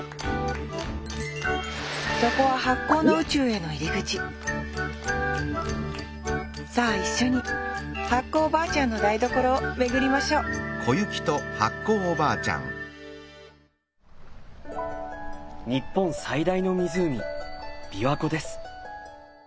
そこは発酵の宇宙への入り口さあ一緒に発酵おばあちゃんの台所を巡りましょう日本最大の湖琵琶湖です。